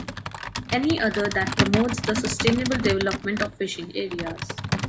Any other that promotes the sustainable development of fishing areas.